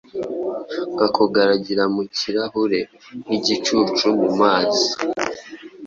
Nka kugaragarira mu kirahure; nk'igicucu mu mazi